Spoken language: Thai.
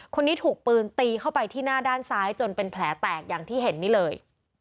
คนนี้ถูกปืนตีเข้าไปที่หน้าด้านซ้ายจนเป็นแผลแตกอย่างที่เห็นนี่เลย